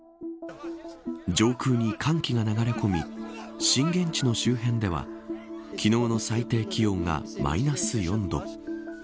上空に、寒気が流れ込み震源地の周辺では昨日の最低気温がマイナス４度。